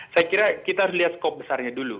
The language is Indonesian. saya kira kita harus lihat skop besarnya dulu